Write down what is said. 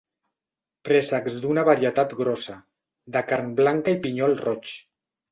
Préssecs d'una varietat grossa, de carn blanca i pinyol roig.